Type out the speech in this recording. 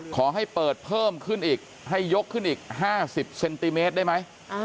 ขอให้เปิดเพิ่มขึ้นอีกให้ยกขึ้นอีก๕๐เซนติเมตรได้ไหม